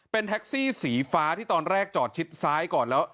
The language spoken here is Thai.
เป็นแท็กซี่สีฟ้าที่ตอนแรกจอดชิดซ้ายก่อนแล้ว